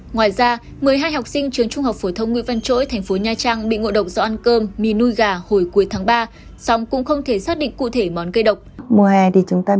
ngoài ra một mươi hai học sinh trường trung học phổ thông nguyễn văn trỗi thành phố nha trang bị ngộ độc do ăn cơm mì nuôi gà hồi cuối tháng ba